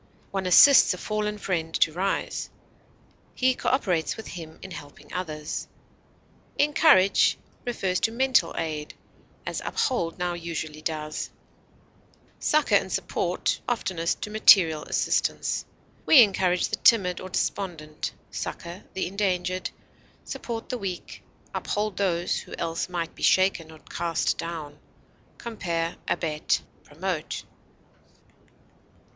One assists a fallen friend to rise; he cooperates with him in helping others. Encourage refers to mental aid, as uphold now usually does; succor and support, oftenest to material assistance. We encourage the timid or despondent, succor the endangered, support the weak, uphold those who else might be shaken or cast down. Compare ABET; PROMOTE.